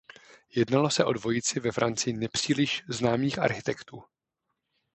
Jednalo se o dvojici ve Francii nepříliš známých architektů.